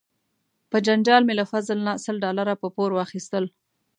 په جنجال مې له فضل نه سل ډالره په پور واخیستل.